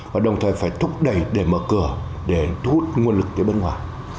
và đồng thời phải thúc đẩy để mở cửa để thu hút nguồn lực từ bên ngoài